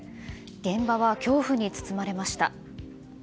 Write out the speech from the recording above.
現場は恐怖に包まれました。